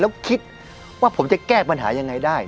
แล้วคิดว่าผมจะแก้ปัญหายังไงได้